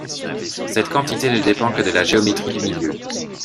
Cette quantité ne dépend que de la géométrie du milieu.